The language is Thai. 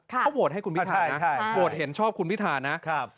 เขาโหวตให้คุณวิทานะโหวตเห็นชอบคุณวิทานะ